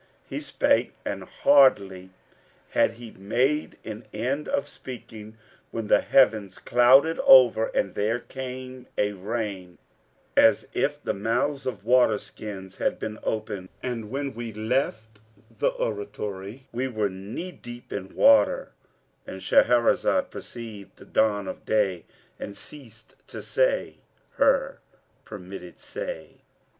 He spake and hardly had he made an end of speaking, when the heavens clouded over and there came a rain, as if the mouths of waterskins had been opened; and when we left the oratory, we were knee deep in water,"—And Shahrazad perceived the dawn of day and ceased to say her permitted say.